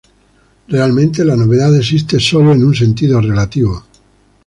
Realmente, la novedad existe sólo en un sentido relativo.